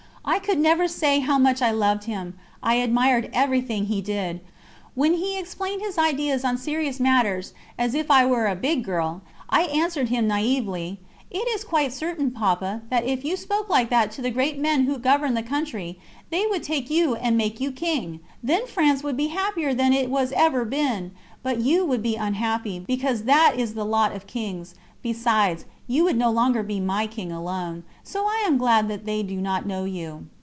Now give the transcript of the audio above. I could never say how much I loved him. I admired everything he did. When he explained his ideas on serious matters, as if I were a big girl, I answered him naïvely: "It is quite certain, Papa, that if you spoke like that to the great men who govern the country they would take you and make you King. Then France would be happier than it was ever been; but you would be unhappy, because that is the lot of kings; besides you would no longer be my King alone, so I am glad that they do not know you."